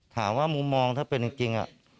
ถามว่ามุมมองถ้าเป็นจริง